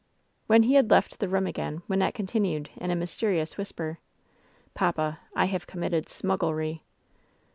When he had left the room again Wynnette continued in a mysterious whisper : "Papa, I have committed smu^lery."